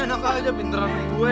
enak aja pinteran gue